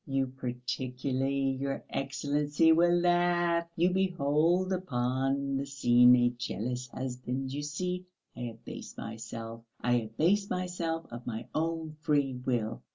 "You, particularly, your Excellency, will laugh! You behold upon the scene a jealous husband. You see, I abase myself, I abase myself of my own free will.